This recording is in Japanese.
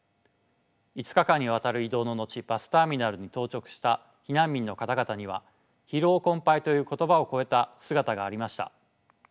５日間にわたる移動ののちバスターミナルに到着した避難民の方々には疲労困ぱいという言葉を超えた姿がありました。